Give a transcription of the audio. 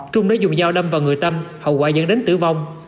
trung đã dùng dao đâm vào người tâm hậu quả dẫn đến tử vong